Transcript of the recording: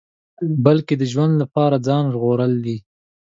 بلکې د ژوند لپاره ځان ژغورل دي.